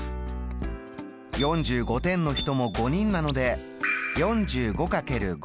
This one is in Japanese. ４５点の人も５人なので４５×５。